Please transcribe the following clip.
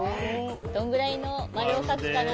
どんぐらいのまるをかくかな？